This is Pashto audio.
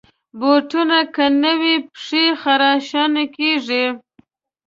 بوټونه که نه وي، پښې خراشانېږي.